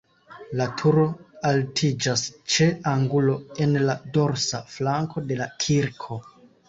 La turo altiĝas ĉe angulo en la dorsa flanko de la kirko.